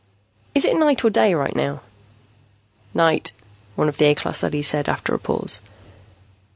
"Is it night or day right now?" "Night," one of the A class leadys said, after a pause.